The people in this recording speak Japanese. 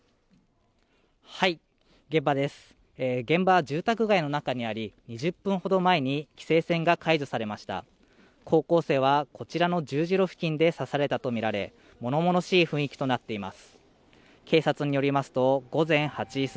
現場は住宅街の中にあり２０分ほど前に規制線が解除されました高校生はこちらの十字路付近で刺されたとみられ物々しい雰囲気となっています